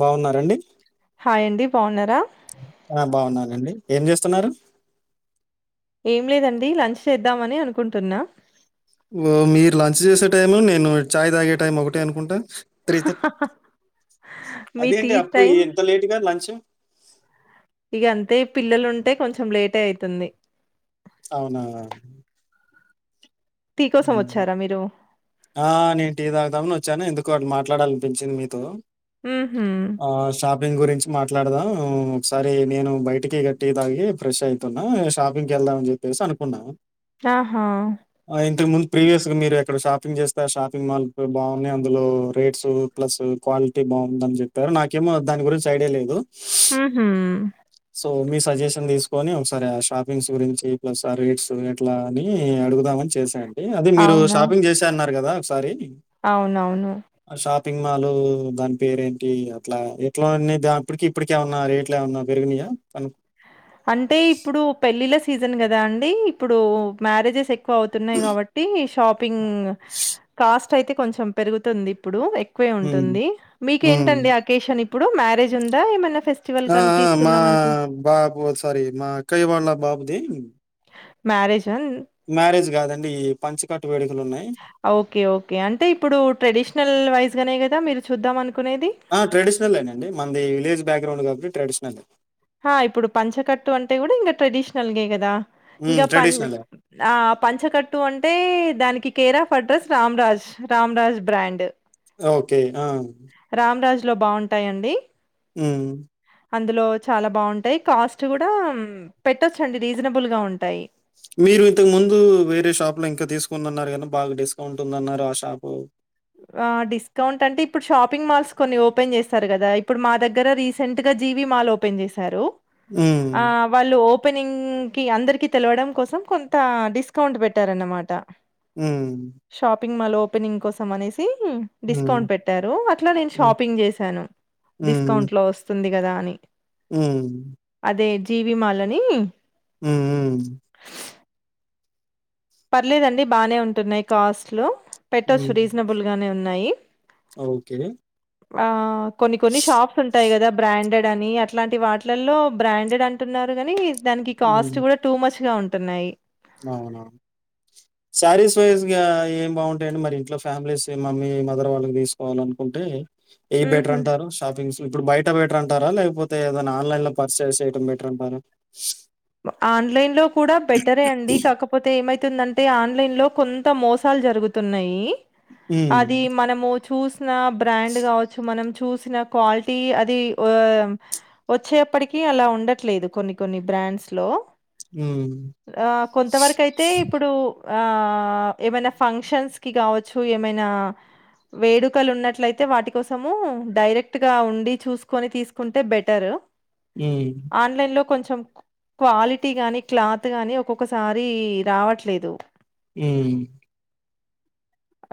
బాగున్నారంండి పోనరా ఆ బాగున్నానండి ఏం చేస్తున్నారు ఏం లేదండి లంచ్ చేద్దామని అనుకుంటున్నా ఓ మీరు లంచ్ చేసే టైం నేను చాయ్ తాగే టైం ఒకటి అనుకుంటాను ప్రీత మీ టీ అదేంటి అప్పు టైం ఎంత లేటుగా లంచ్ ఇక అంతే పిల్లలు ఉంటే కొంచెం లేట్ అవుతుంది అవునవు టీ కోసం వచ్చారా మీరు? ఆ నేంటి తాగుదామని వచ్చాను ఎందుకు మాట్లాడాలనిపించింది మీతో ఉహూ ఆ షాపింగ్ గురించి మాట్లాడదాం ఒకసారి నేను బయటికి గట్టి తాగి ఫ్రెష్ అవుతున్నా షాపింగ్కి వెళ్దామని చెప్పేసి అనుకున్నాను ఆహా ఇంతకు ముందు ప్రీవియస్ గా మీరు ఎక్కడ షాపింగ్ చేస్తే షాపింగ్ మాల్ బాగున్నాయి అందులో రేట్స్ ప్లస్ క్వాలిటీ బాగుందని చెప్పారు నాకేమో దాని గురించి ఐడియా లేదు హ హ సో మీ సజెషన్ తీసుకొని ఒకసారి ఆ షాపింగ్స్ గురించి ప్లస్ ఆ రేట్స్ ఎట్లా అని అడుగుదామని చేసాయండి అది మీరు అవునా! షాపింగ్ చేసే అన్నారు కదా సరే అవునవును పింగ్ మాలు దాని పేరేంటి అట్ల ఎట్లానే దాపిడికీ ఇప్పుడికి ఏమన్నా రేట్లు ఏమన్నా పెరిగినయా అంటే ఇప్పుడు పెళ్ళీల సీజన్ కదా అండి ఇప్పుడు మ్యారేజెస్ ఎ క్కువ అవుతున్నాయి కాబట్టి షాప్ పింగ్ కాస్ ట్ అయితే కొంచెం పెరుగుతుంది ఇప్పుడు ఎ క్కువే హ్మ్. ఉంటుంది. హ్మ్. మీకేంటండి ఆకేేశన్ ఇ ప్పుడు మ్యారేజ్ ఉందా ఏమన్న ఆ ఆ మా బా బు ఓ సారీ మా అక్కయ్య వాళ్ళ బాబుదీ మ్యారేజ్ మ్యారేజ్ కాదండి పంచెక ఓకే ఓకే అంటే ఇప్పుడు ట్రెడిషనల్ వైజ్ గానే క దా మీరు చూద్దాం అ ఆ ట్రెడిషనలేనండి మన్ది విలేజ్ బ్యాక్గ్రౌండ్ కాబట్టి ట్రేడిషనలే. హా ఇప్పుడు పంచెకట్టు అంటే కూడ ఇంక ట్రెడిషనల్ గే కదా. ఇంక హ్మ్. పం ట్రెడిషనలే. ఆ పంచెకట్టు అంటే దానికి కేరా ఫడ్రస్ రామ్ రాజ్, రామ్ రాజ్ బ్రాండ్ ఆ ఓకే ఆ రామ్ రాజ్ లో బాగుంటాయండి. మ్మ్ అందులో చాలా బాగుంటాయి కాస్ట్ కూడా పెట్టొచ్చండి రీజనబుల్ గా ఉంటాయి. మీరు ఇంతకు ముందు వేరే షాప్ లో ఇంకా తీసుకొనన్నారు కానీ బాగా డిస్కౌంట్ ఉందన్నారు ఆ షాపు ఆ డిస్కౌంట్ అంటే ఇప్పుడు షాపింగ్ మాల్స్ కొన్ని ఓపెన్ చేస్తారు గదా, ఇప్పుడు మా దగ్గర రీసెంట్ గా జీ వి మాల్ ఓపెన్ చేశారు. హ్మ్. ఆ వాళ్ళు ఓ పెనింగ్ కి అందరికి తెలవడం కోసం కొంత డిస్కౌంట్ పెట్టారన్నమాట. మ్మ్ పింగ్ మాల్ ఓపెనింగ్ కో మనేస్ సి హ్మ్. డిస్కౌంట్ పెట్టారు అట్ల నేను హ్మ్. షాపింగ్ చేశాను. డిస్కౌంట్ లో వస్తుంది గదా అని హ్మూ దే జీ వి మాల్ అనీ హ్మ్. పర్లేదండి బానే ఉంటున్నాయి కాస్ట్లో. పెట్టచ్చు హ్మ్. రీజనబుల్ గానే ఉన్నాయి ఓకే. ఆ కొన్ని కొన్ని షాప్స్ ఉంటాయి కదా బ్రాండెడ్ అని అట్లాంటి వాటిలల్లో బ్రాండెడ్ అంటున్నారు కాని దానికి కాస్ట్ హ్మ్. కూడా టూ మచ్ గా ఉం టున్నయ్ అవునవును శారిస్ వైజ్ గా ఏం బావుంటాయండి మరి ఇంట్లో ఫ్యామిలీస్ మమ్మీ మదర్ వాళ్ళకి తీసుకోవాలనుకుంటే ఏ బెటర్ హుహు. అంటారు షాపింగ్స్ ఇప్పుడు బయట [unintelligible] బెటర్ అంటారా లేకపోతే ఏదైనా ఆన్లైన్ లో పర్చేస్ చేయటం బెటర్ అంటారా ఆన్లైన్ లో కూడా బెటరే అండి కాకపోతే ఏమైతుందంటే ఆన్లైన్ లో కొంత మోసాలు జరుగుతున్నాయి హ్మ్. అది మనము చూస్ ఆ బ్రాండ్ కావచ్చు మనం చూసిన క్వాలిటీ అది వచ్చేప్పటికి అలా ఉండట్లేదు కొన్ని కొన్ని బ్రాండ్స్ లో హ్మ్. ఆ కొంతవరకు అయితే ఇప్పుడు ఆ ఏమైనా ఫంక్షన్స్ కి కావచ్చు ఏమైనా వేడుకలు ఉన్నట్లయితే వాటి కోసము డైరెక్ట్ గా ఉండి చూసుకొని తీసుకుంటే బెటర్ మ్మ్ కొంచెం క్వాలిటీ గాని క్లాత్ గానీ ఒక్కొక్కసారి రావట్లేదు ఊమ్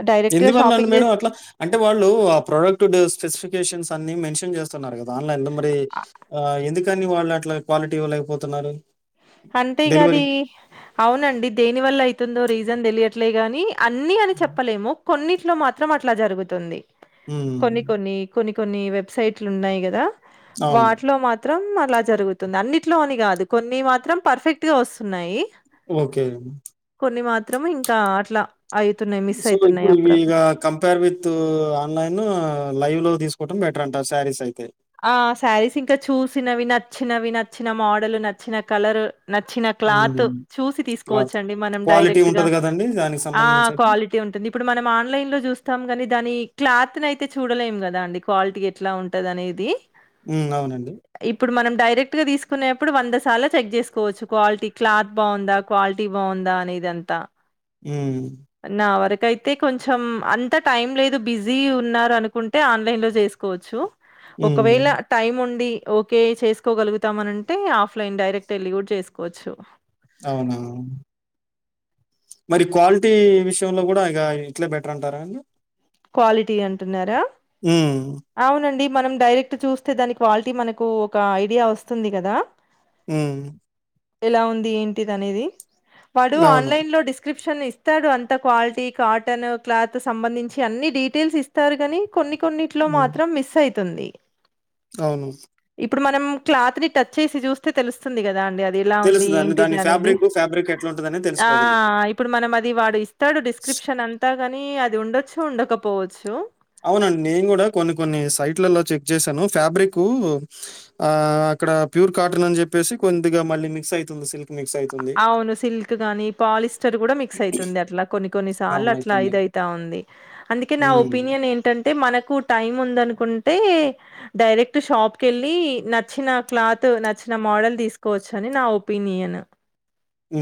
డైరెక్ట్‌గా ఎందువల్ల అండి షాపింగ్ మేడం జేసి అట్లా అంటే వాళ్ళు ఆ ప్రోడక్ట్ స్పెసిఫికేషన్స్ అన్ని మన్షన్ చేస్తున్నారు కద్ ఆన్లైన్ లో మరి అ ఆ ఎందుకు కానీ వాళ్ళు అట్లా క్వాలిటీ ఇవ్వలేకపోతున్నారు అంటే డెలివరీ గది అవునండి దేని వల్ల అయితుందో రీజన్ తెలియద్ ట్లే గాని అన్ని అని చెప్పలేము కొన్నిట్లో మాత్రం అట్లా జరుగుతుంది కొన్ని హ్మ్. కొన్ని కొని కొన్ని వెబ్సైట్లున్నాయి కదా అవును. వాటిలో మాత్ త్రం అలా జరుగుతుంది, అన్నిట్లో అని కాదు కొన్ని మా త్రం పర్ఫెక్ట్ గా వస్తున్నాయి. ఓకే కొన్ని మాత్రం ఇంకా అట్లా అయితున్నాయి. మిస్ సో అయితున్నాయి ఇప్పుడు ఇగ అప్పుడప్పుడు. కంపేర్ విత్ ఆన్లైన్ లైవ్లో తీసు కోవటం బెటర్ అంట సారీస్ అయితే ఆ శారీస్ ఇంకా చూసినవి, నచ్చినవి నచ్చిన మోడల్, నచ్చిన కలర్ నచ్చిన క్లాత్ హ్మ్. చూసి క్లాత్ తీసుకోవచ్చండి మనం క్వాలిటీ డైరెక్ట్ గా ఉంటది గదండీ! దానికి ఆ సంబంధించి అయితే. క్వాలిటీ ఉంటుంది. ఇప్పుడు మనం ఆన్లైన్ లో చూస్తాం కాని దాని క్లాత్ ని అయితే చూడలేము కదా అండి క్వాలిటీ ఎట్లా ఉంటది అనేది. ది ఉ అవునండి. డైరెక్ట్ గా తీసుకునేప్పుడు వందసార్ల చెక్ చేసుకోవచ్చు క్వాలిటీ క్లాత్ బాగుందా క్వాలిటీ బాగుందా అనేదంతా. ఊ కు ఐతే కొంచెం అంత టైం లేదు బిజీ ఉన్నారు అనుకుంటే ఆన్లైన్ లో చేసుకోవచ్చు. ఒకవేళ హ్మ్. టైం ఉండి ఓకే చేసుకోగలుగుతామనంటే ఆఫ్లైన్ డైరెక్ట్ వెళ్లి కూడా చేసుకోవచ్చు. అవునవును. మరి క్వాలిటీ విషయంలో కూడా ఇగ ఇట్లే బెటర్ అంటారా అండి. క్వాలిటీ అంటున్నారా. ఊ అవునండి. మనం డైరెక్ట్ చూస్తే దాని క్వాలిటీ మనకు ఒక ఐడియా వస్తుంది కదా. హ్మ్. ఎలా ఉంది ఏంటిది అనేది. వాడు అవును. ఆన్లైన్ లో డిస్క్రిప్ షన్ ఇస్తాడు అంత క్వాలిటీ కాటన్ క్లాత్ సంబంధించి అన్ని డీటెయిల్స్ ఇస్తారు కాని కొన్ని కొన్ని ట్లో హ్మ్. మాత్రం మిస్ అయి తుంది. అవును ఇప్పుడు మనం క్లాత్ ని టచ్ చేసి చూస్తే తెలుస్తుంది కదా అండి ఎలా ఉంది తెలుస్తదండి. ఏంటిది దాని అనేది ఫ్యాబ్రికు, ఫ్యాబ్రిక్ ఎట్లుంటదనేది ఆ తెలిసిపోతది. ఇప్పుడు మనం అది వాడు ఇస్తాడు డిస్క్రిప్షన్ అంతా గాని అది ఉండొచ్చు, ఉండకపో పోవచ్చు. అవునండి నేను కూడా కొన్ని కొన్ని సైట్లలో చెక్ చేసాను ఫ్యాబ్రిక్ ఆ అక్కడ ప్యూర్ కాటన్ అని చెప్పేసి కొద్దిగా మళ్ళీ మిక్స్ అయితుంది సిల్క్. మిక్స్ అయితుంది. అవును సిల్క్ గాని పాలిస్టర్ కూడా మిక్స్ అయితుంది అట్లా కొన్ని కొన్ని సార్లు అట్లా అవునయితుంది. ఇది అయితా ఉంది అందుకే నా హ్మ్. ఒపీనియన్ ఏం టంటే మనకు టైమ్ ఉందనుకుంటే డైరెక్ట్ షాప్ వెళ్ళి నచ్చిన క్లాత్ నచ్చిన మోడల్ తీసుకోవచ్చు అని నా ఒపీనియన్. హ్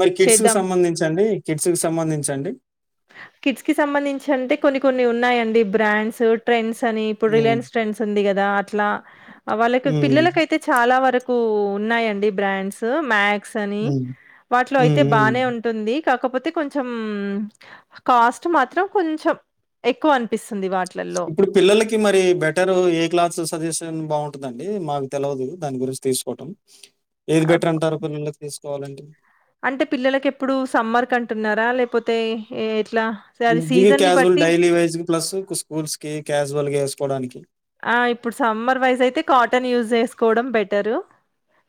మరి కిడ్స్ కి చేద్దాం. సంబంధించండి. కిడ్స్ కి సంబంధించండి. కిడ్స్ కి సంబంధించి అంటే కొన్ని కొన్ని ఉన్నాయండి బ్రాండ్స్ ట్రెండ్స్ అనీ ఇప్పుడు హ్మ్. రిలయన్స్ ట్రెండ్స్ ఉంది కదా అట్లా వాళ్ళకి హ్మ్. పిల్లలకయితే చాలా వరకు కూ ఉన్నాయండి బ్రాండ్స్ మ్యాక్ క్స్ అని హ్మ్. వాటిలో అయితే హ్మ్. హ్మ్. బానే ఉంటుంది కాకపోతే కొంచం మ్ కాస్ట్ మాత్రం కొంచం ఎక్కువ అనిపిస్తుంది వాట్ ఇప్పుడు పిల్లలకి మరి బెటర్ ఏ క్లాస్ సజెషన్ బాగుం ఉంటందండి మాకు తెల్వదు దాని గురించి తీసుకోవటం ఏది ఆహ్, బెటర్ అంటారు. కోవాలంటే అంటే పిల్లలకి ఎప్పుడూ సమ్మర్కంటున్నారా లేకపోతే ఏ క్యాజువల్ డైలీ వేర్ ప్లస్ స్కూల్స్కీ క్యాస్వల్ వల్గా ఏసుకోవడానికి ఆ ఇప్పుడు సమ్మర్ వైజ్ అయితే కాటన్ యూజ్ చేసుకోవడం బెటరు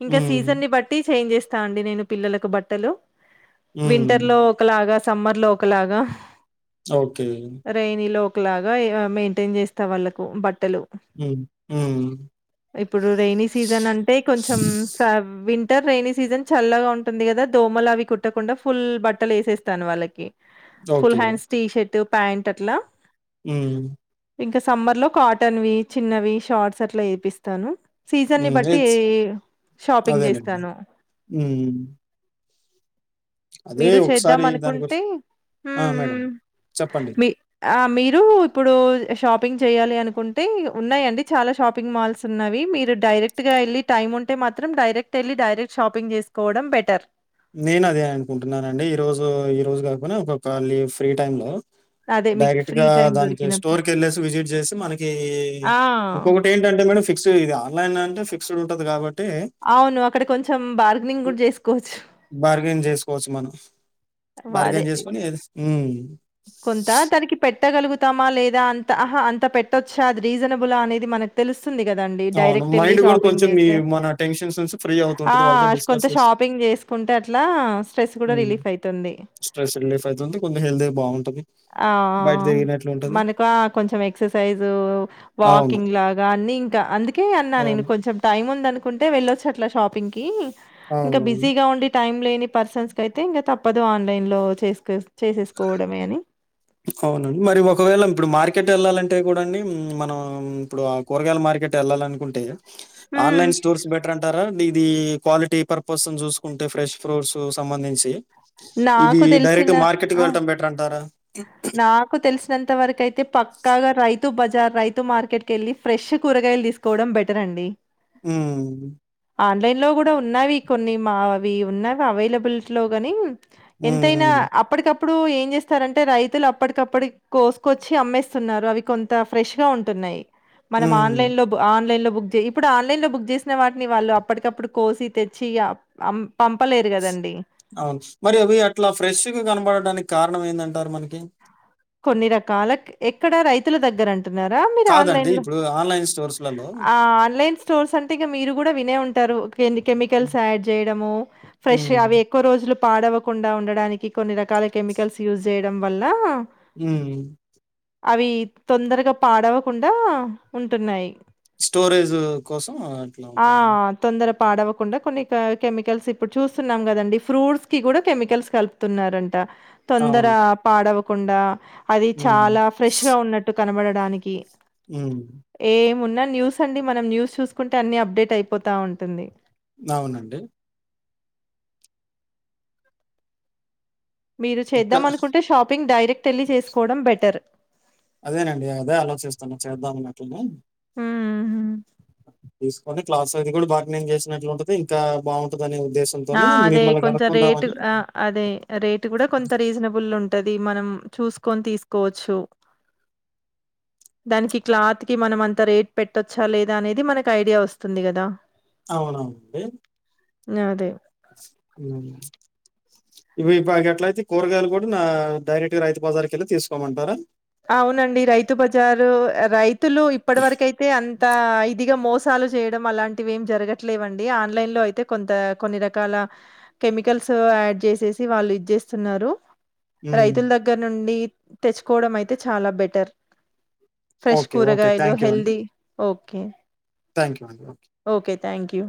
ఇంకా హ్మ్. సీజన్ని బట్టి చేంజ్ చేస్ స్తా అండి నేను పిల్లలకు బట్టలు హ్మ్. వింటర్లో ఒకలాగా సమ్మర్లో ఒకలాగా ఓకే లాగా మెయింటైన్ చేస్తా వాళ్ళలకు బట్ ట్టలు హ్మ్. హ్మ్. ఇప్పుడు రైనీ సీజన్ అంటే కొంచం విన్ వింటర్ రైైనీ సీజన్ చల్లగా ఉంటుంది కదా దోమల్ అవి కుట్టకుండా ఫుల్ బట్టల్ ఏసేస్తాను వాళ్ళకి full okay. Hands T shirt pant అట్లా హ్ ఇంకా సమ్మర్లో కాట్ టన్వి చిన్నవి షార్ట్స్ అట్ల ఏపిస్తాను. సీజన్ని హ్మ్. బట్టీ ఇట్స్ షాపింగ్ అదేలెండి. చేస్తాను హ్మ్. అదే మీరు చేద్దాం ఒకసారి దాని అనుకుంటే గురించి ఆ! మేడం చెప్పండి. మీ ఆ మీరు ఇప్పుడు షాపింగ్ చేయాలి అనుకుం టే ఉన్నయండి చాలా షాపింగ్ మాల్స్ ఉన్నవి మీరు డైరెక్ట్గా వెళ్ళి టైమ్ ఉంటే మాత్రం డైరెక్ట్ ఎళ్ళి డైరెక్ట్ షాపింగ్ చేసుకోవడం బెటర్ నేను అదే అనుకుంటున్నానండి. ఈ రోజు ఈ రోజు కాకున్న ఒకళ ఫ్రీ టైమ్లో అదే మీకు ఫ్రీ డైరెక్ట్గా టైమ్ దానికి దొరికినప్పుడు. స్టోర్ కెళ్ళేసి విజిట్ చేసి మనకి ఆ! ఇంకొకటి ఏంటంటే మేడమ్ ఫిక్స్ ఎలాయిన అంటే ఫిక్స్డ్ ఉంటది కాబట్ అవును అక్కడ గూడ బార్గనింగ్ గుడా చేసుకోవచ్చు బార్గెనింగ్ చేసుకోవచ్చు మనం వ అదే బార్గెన్ చేసుకొని మ్ కొంత తనకి పెట్ట పెట్టగలుగుతామా లేదా అంత అహా అంత పెట్టొచ్చా అది రీజనబుల్ అనేది మనకు తెలుస్తు తుంది కదా అండి అవును. డైెక్ట్ వెళ్ళి మైండ్ కూడా షపింగ్ కొంచెం ఈ చేస్తే మన టెన్షన్స్ నుంచి ఫ్రీ అవుతూ ఆ ఉంటది వాళ్ళతో కొంత డిస్కస్ చేసి షపింగ్ చేసుకుంటే అట్లా స్ట్రెస్ కూడా హ్మ్. రిలీఫ్ అవుతుంది స్ట్రెస్ రిలీఫ్ అయితుంది. కొంచెం హెల్తీ బావుంటది. ఆ బయట తిరిగినట్లుంటది. మనకు కొంచెం ఎక్ససైజ్ అవును. వాకింగ్ లాగా అన్ని ఇంకా అందుక అన్నా నేను అవును. కొంచెం టైమ్ ఉందను కుంటే వెళ్ళొచ్చ అట్లా షాపింగ్ కి ఇంకా అవునవును. బిజీగా ఉండి టైం లేని పర్సన్స్ క అయితే ఇంకా తప్పదు ఆన్లైన్ లో చే చే కోవడమే అని అవునండి మరి ఒకవేళ ఇప్పుడు మార్కెట్ వెళ్ళాలంటే కూడా అండి మనం ఇప్పుడు ఆ కూరగాయల మార్కెట్ వెళ్ళాలినుకుంటే హ్మ్. ఆన్లైన్ స్టోర్స్ బెటర్ అంటారా ఇది క్వాలిటీ పర్పస్ ను చూసుకుంటే ఫ్రెష్ ఫ్రూట్స్ సంబంధించి ఇది నాకు డైరెక్ట్ తెలిసిన మార్కెట్ కి ఆ! వెళ్ళటం బెటర్ అంటారా నాకు తెలిసినంత వరకు అయితే పక్కాగా రైతు రతు బజార్ రైతు మార్కెట్ క వెళ్ళి ఫ్రెష్ కూరగాయలు తీసుకోవడం బెటర్ అండి ఆ ఆన్లైన్ లో కూడా ఉన్నావి కొన్ని మా అవి ఉన్నావి అవైలబిలిటీ లో గాని ఎంతైనా హ్మ్. అప్పటికప్పుడు ఇప్పుడు ఏం చేస్తారంటే రైతు పతులు అప్పటికప్పుటి కోసుకొచ్చి అమ్మేస్తున్నారు అవి కొంత ఫ్రెష్ గా ఉంటున్నాయి మనం హ్మ్. ఆన్లైన్ లో ఆన్లైన్ లో బుక్ చే ఇప్పుడు ఆన్లైన్ లో బుక్ చేసిన వాటిని వాళ్ళు అప్పటికప్పుడు కోసి తెచ్చి పంపలేరు కదండి అవును మరి అవి అట్లా ఫ్రెష్గా కనబడడానికి కారణం ఏందంటారు మనకి కొన్ని రకాల ఎక్కడ రైతుల దగ్గరంటే క కాదండి. ఇప్పుడు ఆన్‌లైన్ స్టోర్స్‌లలో అ చే హ్మ్. అ ఎ పాడవకుండా ఉండడానికి కొన్ని రకాల కెమికల్స్ యూజ్ చేయడం వల్ల ఉ అవి తొందరగా పాడవకుండా ఉంటున్నాయి స్టోరేజ్ కోసం అట్లా ఆ! ఉంటా తొందర పాడవకుండా కొన్ని కెమికల్స్ ఇప్పుడు చూస్తున్నాం కదండీ ఫ్రూట్స్కి కూడా కెమికల్స్ కలుపుతున్నారంట తొందర అవును. పాడవ కుడా అది హ్మ్. చాలా ఫ్రెష్ గా ఉన్నట్టు కనబడడానికి హ్మ్. ఏ మున్నా న్యూస్ అడి మనం న్యూస్ చూస్కుంటే అన్ని అప్డేట్ అయిపోతా ఉంటుంది అవునండి మీరు ఇంకా చేద్దాం అనుకుంటే షాపింగ్ డైరెక్ కెళ్లి చేసుకోవడం బెటర్ అదేనండి అదే ఆలోచిస్తున్నా చేద్దామనట్లేను ఊ తీసుకొని క్లాస్ అది కూడ బాగ నేం చేసినట్లు ఉంటది ఇంకా బాగుంట ఆ అదే కొంచం రేటు ఆ అదే రేటు కూడా కొంత రీజనబుల్ ఉంట్ అది మనం చూసుకొని తీసుకోవచ్చు దానికి క్లాత్ కి మనం అంత రేట్ పెట్టొచ్చా లేదా అనేది మనకి ఐడియా వస్తుంది కదా అవునవునండి. అదే హ్మ్. ఇవి ఇ ఇంగట్లయితే కూరగాయలు కూడా నా డైరెక్ట్ గా రైతు బజార్ కెళ్ళి తీసుకోమంటారా అవునండి రైతు బజారు రైతులు ఇప్పటి వరకి అయితే అన్ త ఇదిగా మోసాలు చేయడం అలాంటివి ఏం జరగట్లేవండి ఆన్లైన్ లో అయితే కొంత కొన్ని రకాల కెమికల్సు యాడ్ చేసేసి వాళ్ళు ఇచ్చేస్తున్నారు హ్మ్. రైతుల దగ్గర నుండి తెచ్చుకోవడం అయి తే చాల బెటర్ ఫ్రెష్ ఓకే. ఓకే. కూరగాయలు థాంక్ యూ అండి. Healthy okay thank you అండి. Okay thank you